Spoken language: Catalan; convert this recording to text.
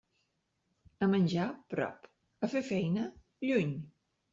A menjar, prop; a fer feina, lluny.